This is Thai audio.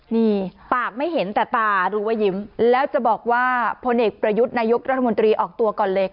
นี่ปากไม่เห็นแต่ตารู้ว่ายิ้มแล้วจะบอกว่าพลเอกประยุทธ์นายกรัฐมนตรีออกตัวก่อนเลย